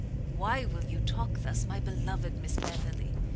"Why will you talk thus, my beloved Miss Beverley?